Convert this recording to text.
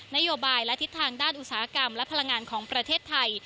นโยบายและทิศทางด้านอุตสาหกรรมและพลังงานของประเทศไทย